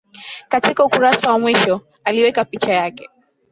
Katika ukurasa wa mwisho, aliweka picha yake